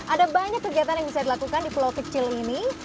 ada banyak kegiatan yang bisa dilakukan di pulau kecil ini